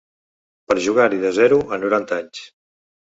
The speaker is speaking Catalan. Per jugar-hi de zero a noranta anys!